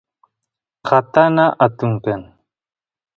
takana atun kan